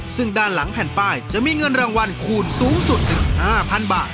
ซึ่งด้านหลังแผ่นป้ายจะมีเงินรางวัลคูณสูงสุดถึง๕๐๐๐บาท